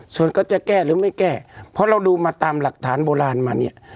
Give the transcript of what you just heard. ส่วนก็จะแก้หรือไม่แก้เพราะเราดูมาตามหลักฐานโบราณมาเนี่ย